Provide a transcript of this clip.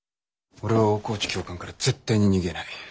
俺は大河内教官から絶対に逃げない。